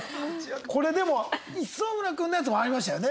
これでも磯村君のやつもありましたよね？